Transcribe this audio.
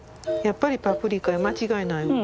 やっぱりパプリカや間違いない。